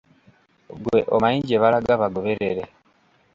Ggwe omanyi gye balaga bagoberere.